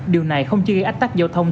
điều này không chỉ gây ách tắc giao thông